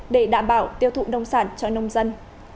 để đảm bảo tiêu thụ nông sản cho nông dân